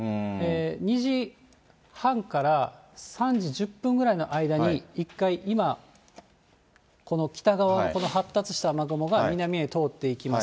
２時半から３時１０分ぐらいの間に１回、今、この北側のこの発達した雨雲が南へ通っていきます。